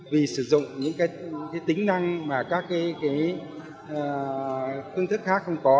vì sử dụng những cái tính năng mà các cái hướng thức khác không có